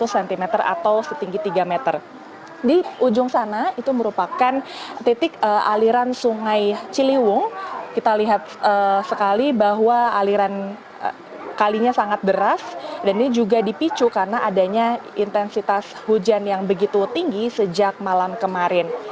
dua puluh cm atau setinggi tiga meter di ujung sana itu merupakan titik aliran sungai ciliwung kita lihat sekali bahwa aliran kalinya sangat deras dan ini juga dipicu karena adanya intensitas hujan yang begitu tinggi sejak malam kemarin